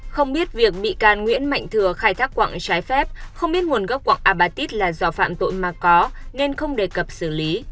không biết việc bị can nguyễn mạnh thừa khai thác quặng trái phép không biết nguồn gốc quặng apatit là do phạm tội mà có nên không đề cập xử lý